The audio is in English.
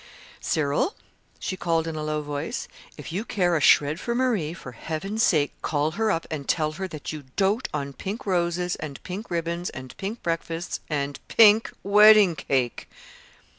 "Cyril," she called in a low voice, "if you care a shred for Marie, for heaven's sake call her up and tell her that you dote on pink roses, and pink ribbons, and pink breakfasts and pink wedding cake!"